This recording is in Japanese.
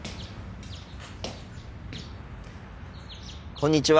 こんにちは。